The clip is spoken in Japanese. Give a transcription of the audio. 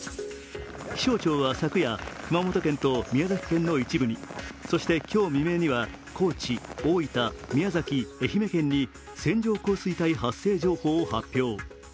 気象庁は昨夜、熊本県と宮崎県の一部に、そして今日未明には高知、大分宮崎、愛媛県に線状降水帯発生情報を発表。